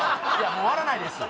もう割らないです